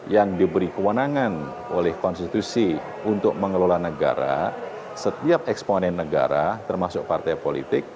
yang diberi kewenangan oleh konstitusi untuk mengelola negara setiap eksponen negara termasuk partai politik